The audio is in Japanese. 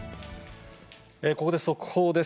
ここで速報です。